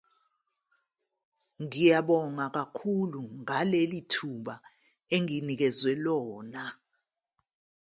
Ngiyabonga kakhulu ngaleli thuba enginikezwe lona.